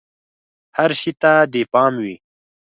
هر شي ته دې پام وي!